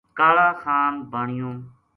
کالا خان بانیو